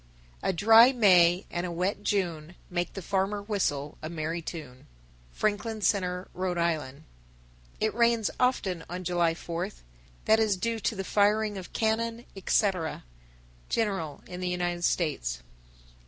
A dry May and a wet June Make the farmer whistle a merry tune. Franklin Centre, R.I. 951. It rains often on July fourth. That is due to the firing of cannon, etc. _General in the United States.